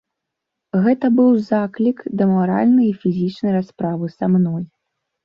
Гэта быў заклік да маральнай і фізічнай расправы са мной.